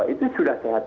itu sudah sehat